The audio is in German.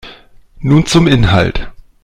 Nun zum Inhalt.